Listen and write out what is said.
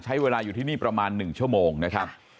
ใช้เวลาอยู่ที่นี่ประมาณ๑ชั่วโมงนะครับ